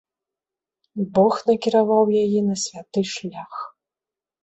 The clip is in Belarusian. Бог накіраваў яе на святы шлях.